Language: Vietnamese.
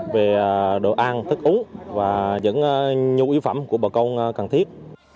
về đồ ăn thức uống và những nhu yếu phẩm của bà con cần thiết